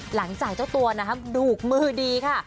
หลังจ่ายเจ้าตัวนะครับดูกมือดีค่ะ